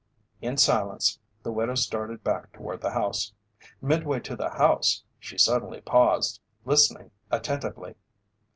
In silence the widow started back toward the house. Midway to the house, she suddenly paused, listening attentively.